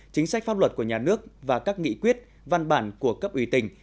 chính sách pháp luật của nhà nước và các nghị quyết văn bản của cấp ủy tỉnh